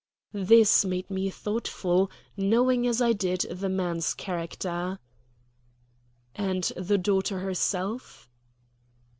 This made me thoughtful, knowing as I did the man's character. "And the daughter herself?"